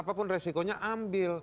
apapun resikonya ambil